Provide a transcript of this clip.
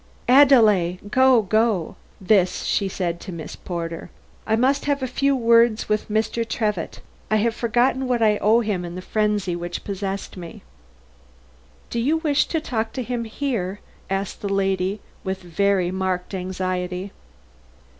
"Adèle! go! go!" This to Miss Porter. "I must have a few words more with Mr. Trevitt. I had forgotten what I owe him in the frenzy which possessed me." "Do you wish to talk to him here?" asked that lady, with very marked anxiety.